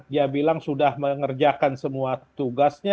dia bilang sudah mengerjakan semua tugasnya